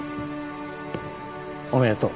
おめでとう。